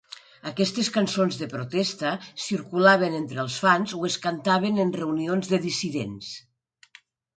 Aquestes cançons de protesta circulaven entre els fans o es cantaven en reunions de dissidents.